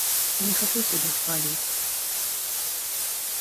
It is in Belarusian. Не хачу сябе хваліць!